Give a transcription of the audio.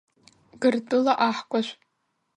Гыртәыла аҳкәажә!